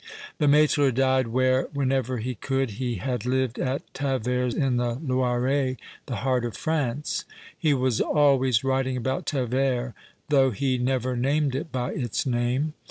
Lcmaitre died where, whenever he could, he had lived, at Tavcrs in the Loiret, the heart of France. He was always writing about Tavcrs, though he never named it by its name.